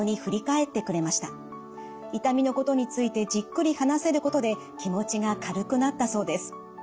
痛みのことについてじっくり話せることで気持ちが軽くなったそうです。